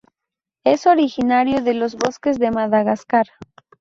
Es originario de los bosques de Madagascar.